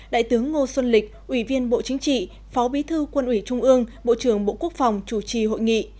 đại tướng ngô xuân lịch ủy viên bộ chính trị phó bí thư quân ủy trung ương bộ trưởng bộ quốc phòng chủ trì hội nghị